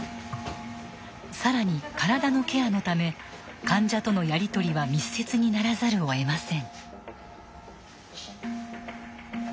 更に体のケアのため患者とのやり取りは密接にならざるをえません。